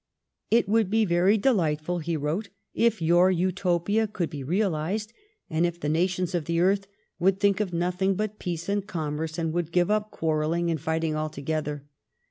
It would be Tery delightful [he wrote] if your Utopia could be realised, and if the nations of the earth would think of nothing but peace and commerce, and would giye up quarrelling and fighting alto gether.